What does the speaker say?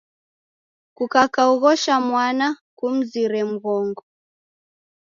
Kukakaoghosha mwana, kumzire mghongo.